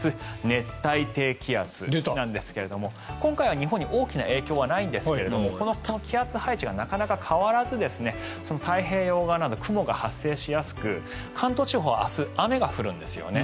熱帯低気圧なんですけれども今回は日本に大きな影響はないんですがこの気圧配置がなかなか変わらず太平洋側など雲が発生しやすく関東地方明日、雨が降るんですよね。